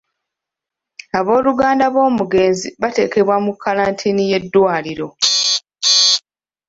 Obooluganda b'omugenzi baateekebwa mu kkalantiini y'eddwaliro.